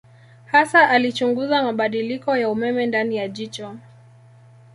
Hasa alichunguza mabadiliko ya umeme ndani ya jicho.